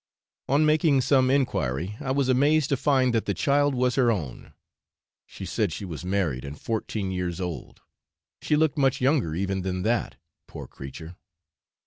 On making some enquiry, I was amazed to find that the child was her own: she said she was married and fourteen years old, she looked much younger even than that, poor creature.